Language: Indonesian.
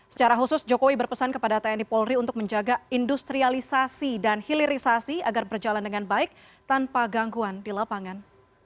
secara khusus jokowi berpesan kepada tni polri untuk menjaga industrialisasi dan hilirisasi agar berjalan dengan baik tanpa gangguan di lapangan